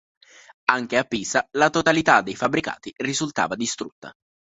Anche a Pisa la totalità dei fabbricati risultava distrutta.